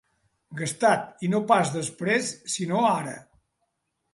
Gastat, i no pas després, sinó ara.